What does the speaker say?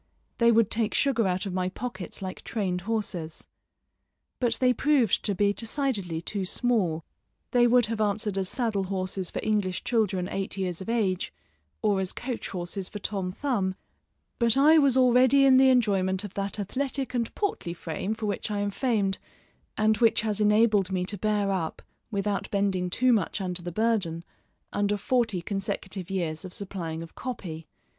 They would take sugar out of my pockets like trained horses. But they proved to be decidedly too small; they would have answered as saddle horses for English children eight years of age, or as coach horses for Tom Thumb, but I was already in the enjoyment of that athletic and portly frame for which I am famed, and which has enabled me to bear up, without bending too much under the burden, under forty consecutive years of supplying of copy.